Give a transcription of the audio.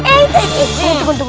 eh tunggu tunggu